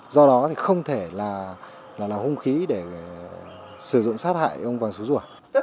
do đó thì không thể là làm hung khí để sử dụng sát hại ông vàng xú rùa